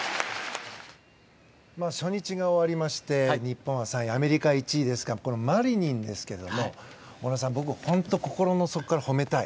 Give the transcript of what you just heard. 初日が終わりまして日本は３位アメリカが１位ですがマリニンですけども織田さん、僕心の底から褒めたい。